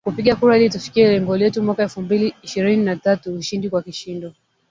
kupiga kura ili tufikie lengo letu mwaka elfu mbili ishirini na tatu ushindi wa kishindo